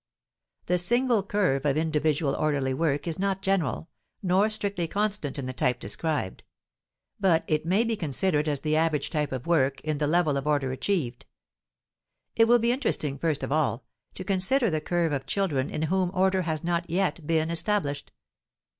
The single curve of individual orderly work is not general, nor strictly constant in the type described. But it may be considered as the average type of work in the level of order achieved. It will be interesting, first of all, to consider the curve of children in whom order has not yet been established.